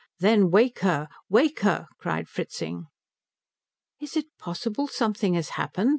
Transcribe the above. "Then wake her! Wake her!" cried Fritzing. "Is it possible something has happened?"